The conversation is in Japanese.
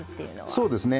そうですね。